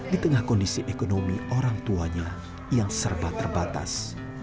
di tengah kondisi ekonomi orang tuanya yang serba terbatas